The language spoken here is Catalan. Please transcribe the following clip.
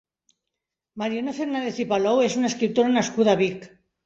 Mariona Fernández i Palou és una escriptora nascuda a Vic.